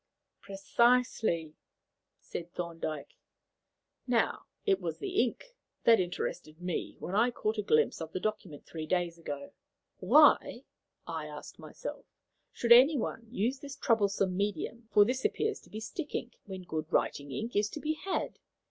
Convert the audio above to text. "Precisely," said Thorndyke. "Now, it was the ink that interested me when I caught a glimpse of the document three days ago. 'Why,' I asked myself, 'should anyone use this troublesome medium' for this appears to be stick ink 'when good writing ink is to be had?'